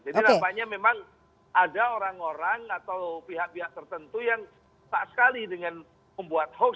jadi namanya memang ada orang orang atau pihak pihak tertentu yang tak sekali dengan membuat hoax